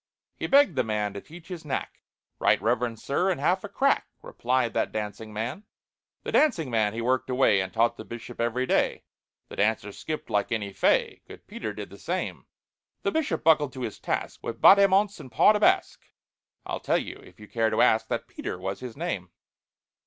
He begged the man to teach his knack. "Right Reverend Sir, in half a crack," Replied that dancing man. The dancing man he worked away, And taught the Bishop every day— The dancer skipped like any fay— Good PETER did the same. The Bishop buckled to his task, With battements, and pas de basque. (I'll tell you, if you care to ask, That PETER was his name.)